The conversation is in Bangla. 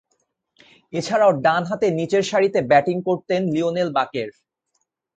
এছাড়াও, ডানহাতে নিচেরসারিতে ব্যাটিং করতেন লিওনেল বাকের।